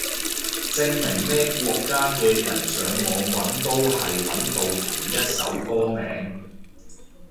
證明咩國家嘅人上網搵都係搵到同一首歌名